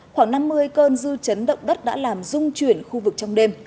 khoảng năm mươi cơn dư chấn động đất đã làm dung chuyển khu vực trong đêm